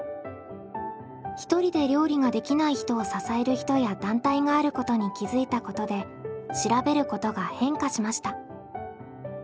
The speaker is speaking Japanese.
ひとりで料理ができない人を支える人や団体があることに気付いたことで「調べること」が変化しました。